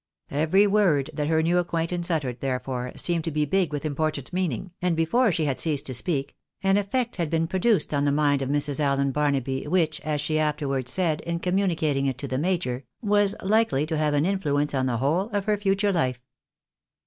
Every word that her new acquaintance uttered, therefore, seemed to be big with important meaning, and before she had ceased to speak, an effect had been produced on the mind of Mrs. Allen Barnaby, which as she afterwards said, in communicating it to the major, was likely to have an influence on the whole of her future hfe.